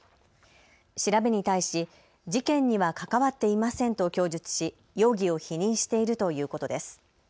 調べに対し事件には関わっていませんと供述し容疑を否認しているということです。